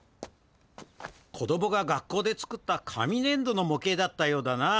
子どもが学校で作った紙ねんどのもけいだったようだな。